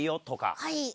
はい。